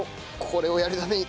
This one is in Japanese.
これをやるために？